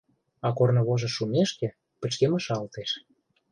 А корнывожыш шумешке, пычкемышалтеш.